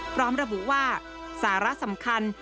พร้อมระบุว่าสาระสำคัญ